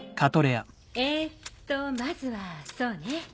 えっとまずはそうね。